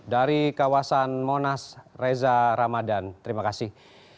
dari kawasan monas reza ramadan terima kasih